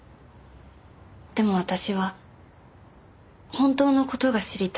でも私は本当の事が知りたいんです。